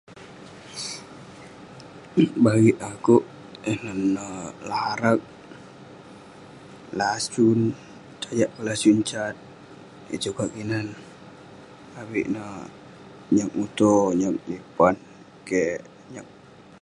Bagik akouk, yan neh larak, lasun, sajak keh lasun sat, yeng sukat kinan avik neh, nyak muto nyak lipan, keh..